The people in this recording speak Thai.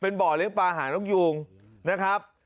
บ่อเลี้ยงปลาหานกยูงนะครับ